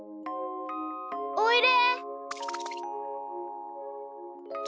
おいで？